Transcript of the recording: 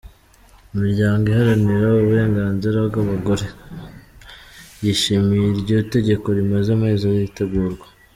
Imiryango iharanira uburenganzira bw'abagore, yishimiye iryo tegeko rimaze amezi ritegurwa.